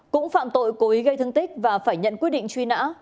cũng phạm tội cố ý gây thương tích và phải nhận quyết định truy nã